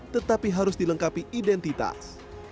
tetapi harus dilengkapi identitas